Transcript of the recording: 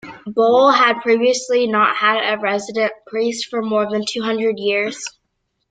Bole had previously not had a resident priest for more than two hundred years.